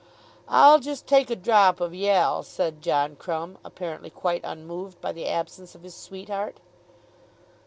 "I'll just take a drop of y'ell," said John Crumb, apparently quite unmoved by the absence of his sweetheart.